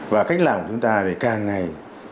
và cách làm của chúng ta càng ngày